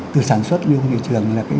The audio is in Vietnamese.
từ sản xuất lưu hình thị trường